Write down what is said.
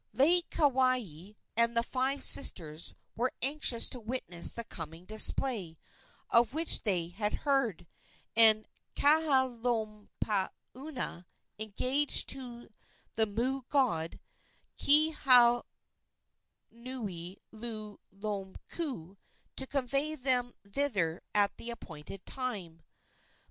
Laieikawai and the five sisters were anxious to witness the coming display, of which they had heard, and Kahalaomapuana engaged the moo god, Kihanuilulumoku, to convey them thither at the appointed time.